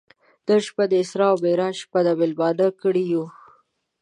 نن شپه د اسرا او معراج شپه ده میلمانه کړي یو.